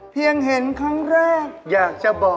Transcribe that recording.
เพียงเห็นครั้งแรก